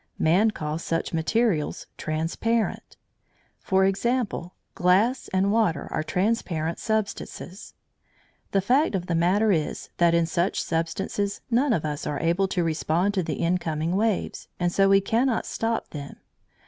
Man calls such materials transparent; for example, glass and water are transparent substances. The fact of the matter is that in such substances none of us are able to respond to the incoming waves, and so we cannot stop them.